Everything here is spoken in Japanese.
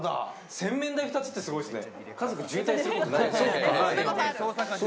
洗面台２つってすごいですね。